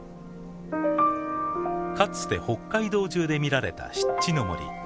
かつて北海道中で見られた湿地の森。